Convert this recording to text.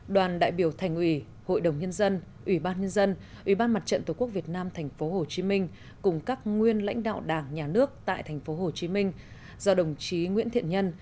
đoàn đại biểu thành ủy hội đồng nhân dân ủy ban nhân dân ủy ban mặt trận tổ quốc việt nam tp hcm cùng các nguyên lãnh đạo đảng nhà nước tại tp hcm do đồng chí nguyễn thiện nhân